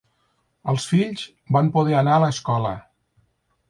Els fills van poder anar a l'escola.